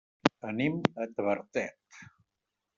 Anem a Tavertet.